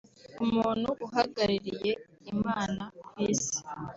umuntu uhagarariye Imana ku Isi